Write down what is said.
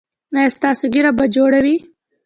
ایا ستاسو ږیره به جوړه وي؟